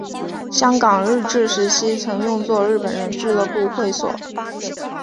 香港日治时期曾用作日本人俱乐部会所。